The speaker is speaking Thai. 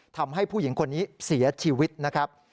ทำให้ผู้หญิงคนนี้เสียชีวิตนะครับ